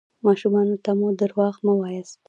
ماشومانو ته مو درواغ مه وایاست.